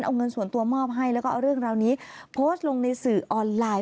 เอาเงินส่วนตัวมอบให้แล้วก็เอาเรื่องราวนี้โพสต์ลงในสื่อออนไลน์